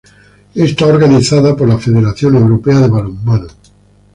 Está organizada por la Federación Europea de Balonmano.